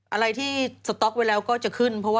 อะไรที่ตายไปแล้วก็จะขึ้น